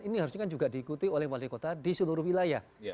ini harusnya juga diikuti oleh wali kota di seluruh wilayah